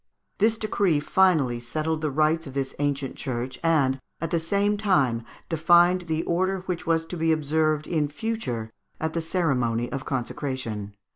This decree finally settled the rights of this ancient church, and at the same time defined the order which was to be observed in future at the ceremony of consecration.